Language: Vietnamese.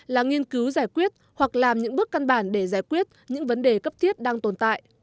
là nghiên cứu giải quyết hoặc làm những bước căn bản để giải quyết những vấn đề cấp thiết đang tồn tại